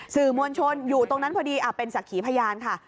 สื่อมวลชนอยู่ตรงนั้นพอดีเป็นสักขีพยานค่ะ